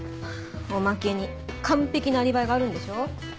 おまけに完璧なアリバイがあるんでしょう？